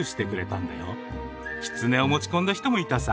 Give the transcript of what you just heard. キツネを持ち込んだ人もいたさ。